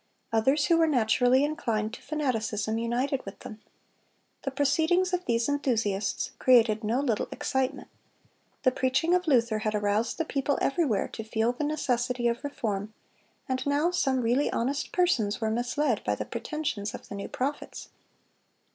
Others who were naturally inclined to fanaticism united with them. The proceedings of these enthusiasts created no little excitement. The preaching of Luther had aroused the people everywhere to feel the necessity of reform, and now some really honest persons were misled by the pretensions of the new prophets.